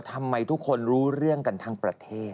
ทำไมทุกคนรู้เรื่องกันทั้งประเทศ